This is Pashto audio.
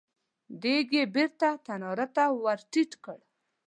دېګ يې بېرته تناره ته ور ټيټ کړ.